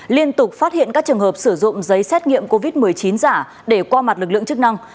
liên tục phát hiện các trường hợp sử dụng giấy xét nghiệm covid một mươi chín giả để qua mặt lực lượng chức năng